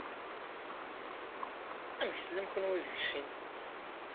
Amek tellam kenwi deg sin?